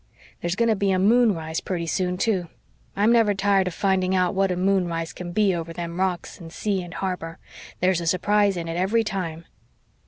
There's going to be a moonrise purty soon, too I'm never tired of finding out what a moonrise can be over them rocks and sea and harbor. There's a surprise in it every time."